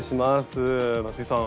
松井さん